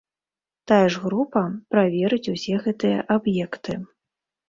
Тая ж група праверыць ўсе гэтыя аб'екты.